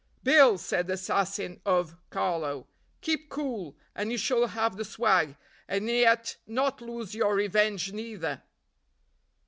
"Bill," said the assassin of Carlo, "keep cool, and you shall have the swag; and yet not lose your revenge neither."